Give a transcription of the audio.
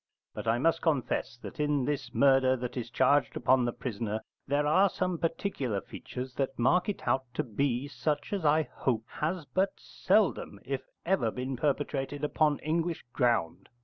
But I must confess that in this murder that is charged upon the prisoner there are some particular features that mark it out to be such as I hope has but seldom if ever been perpetrated upon English ground.